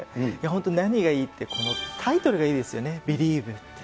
本当に何がいいって、このタイトルがいいですよね、ビリーヴ！って。